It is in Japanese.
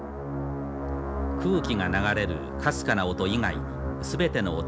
空気が流れるかすかな音以外全ての音が消えた都市。